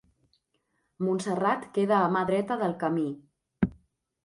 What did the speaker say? Montserrat queda a mà dreta del camí.